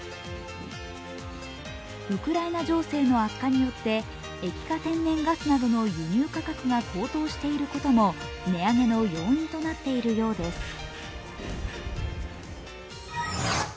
ウクライナ情勢の悪化によって液化天然ガスなどの輸入価格が高騰していることも値上げの要因となっているようです。